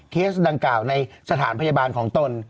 ดังกล่าวในสถานพยาบาลของตน